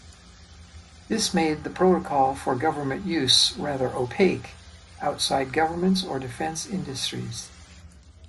This made the protocol for government use rather "opaque" outside governments or defense industries.